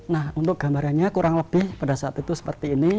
nah untuk gambarannya kurang lebih pada saat itu seperti ini